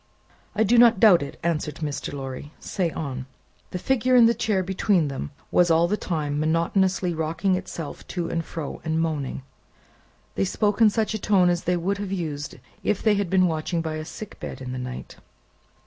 "I do not doubt it," answered Mr. Lorry. "Say on." The figure in the chair between them, was all the time monotonously rocking itself to and fro, and moaning. They spoke in such a tone as they would have used if they had been watching by a sick bed in the night.